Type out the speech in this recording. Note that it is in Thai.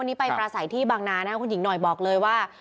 วันนี้ไปปราศัยที่บางนานะครับคุณหญิงหน่อยบอกเลยว่า